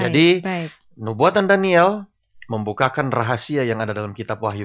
jadi nubuatan daniel membukakan rahasia yang ada dalam kitab wahyu